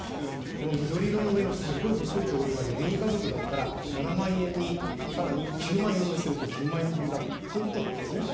この緑色の上のすっごい細いところが４人家族だったら、７万円にさらに９万円乗せる、１０万円分だと、そういうことですね。